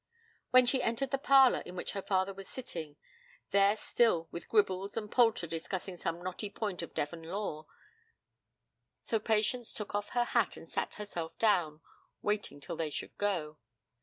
When she entered the parlour in which her father was sitting, there still were Gribbles and Poulter discussing some knotty point of Devon lore. So Patience took off her hat, and sat herself down, waiting till they should go.